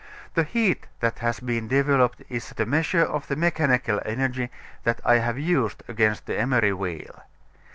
The heat that has been developed is the measure of the mechanical energy that I have used against the emery wheel.